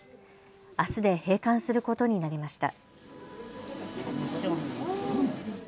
あすで閉館することになりました。